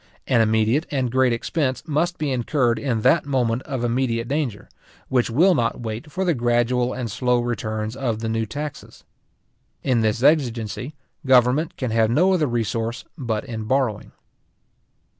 An immediate and great expense must be incurred in that moment of immediate danger, which will not wait for the gradual and slow returns of the new taxes. In this exigency, government can have no other resource but in borrowing.